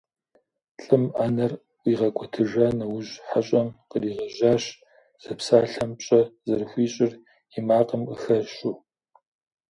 Лӏым Ӏэнэр ӀуигъэкӀуэтыжа нэужь хьэщӏэм къригъэжьащ, зэпсалъэм пщӀэ зэрыхуищӀыр и макъым къыхэщу.